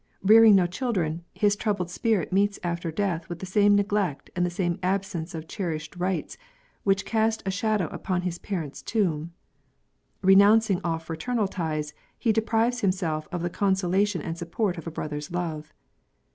Rear ing no children, his troubled spirit meets after death with the same neglect and the same absence of cherished rites which cast a shadow upon his parents' tomb. Renouncing all fraternal ties, he deprives himself of the consolation and support of a brother's love.